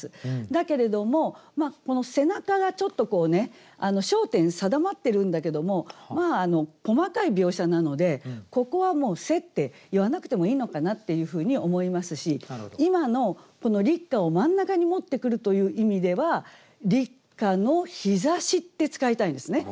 だけれどもこの「背中」がちょっと焦点定まってるんだけども細かい描写なのでここは「背」って言わなくてもいいのかなっていうふうに思いますし今の「立夏」を真ん中に持ってくるという意味では「立夏の日差し」って使いたいんですね。